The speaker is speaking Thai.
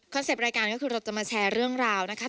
เป็ตรายการก็คือเราจะมาแชร์เรื่องราวนะคะ